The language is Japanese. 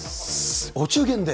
お中元で？